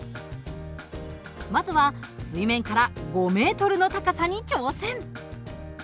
まずは水面から５ｍの高さに挑戦！